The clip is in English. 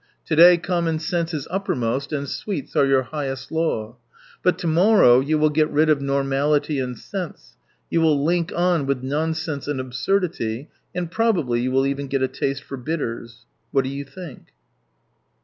To day common sense is uppermost, and sweets are your highest law. But to morrow you will get rid of normality and sense, you will link on with nonsense and absurdity, and prob ably you will even get a taste for bitters. What do you think